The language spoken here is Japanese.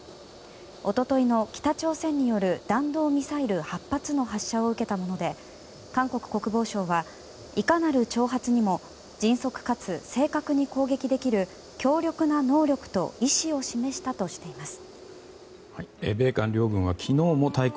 一昨日の北朝鮮による弾道ミサイル８発の発射を受けたもので韓国国防省はいかなる挑発にも迅速かつ正確に攻撃できる強力な能力と意思を示したとしています。